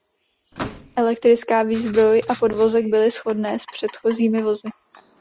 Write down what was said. Elektrická výzbroj a podvozek byly shodné s předchozími vozy.